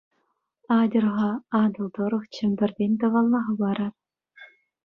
Атьӑр-ха, Атӑл тӑрӑх Чӗмпӗртен тӑвалла хӑпарар.